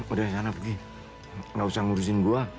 udah sana pergi nggak usah ngurusin gua